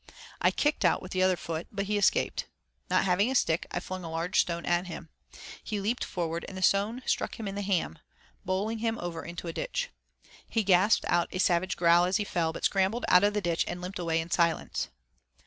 I kicked out with the other foot, but he escaped. Not having a stick, I flung a large stone at him. He leaped forward and the stone struck him in the ham, bowling him over into a ditch. He gasped out a savage growl as he fell, but scrambled out of the ditch and limped away in silence.